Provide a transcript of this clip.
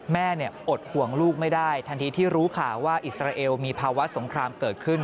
อดห่วงลูกไม่ได้ทันทีที่รู้ข่าวว่าอิสราเอลมีภาวะสงครามเกิดขึ้น